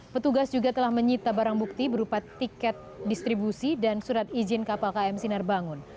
petugas juga telah menyita barang bukti berupa tiket distribusi dan surat izin kapal km sinar bangun